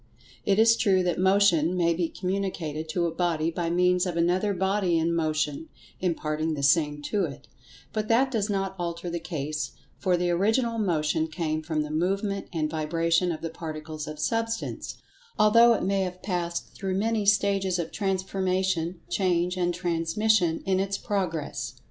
It is true that Motion may be communicated to a body by means of another body in Motion imparting the same to it, but that does not alter the case, for the Original Motion came from the movement and vibration of the Particles of Substance, although it may have passed through many stages of transformation, change and transmission in its progress.